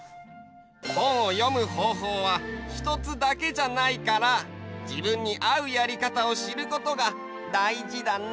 本を読むほうほうはひとつだけじゃないから自分にあうやり方を知ることがだいじだね！